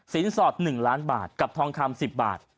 สอด๑ล้านบาทกับทองคำ๑๐บาท